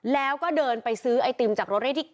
แล้วก็เดินไปซื้อไอติมจากรถเลขที่๙